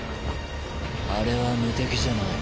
あれは無敵じゃない。